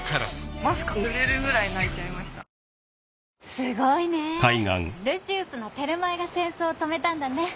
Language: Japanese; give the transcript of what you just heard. すごいねルシウスのテルマエが戦争を止めたんだね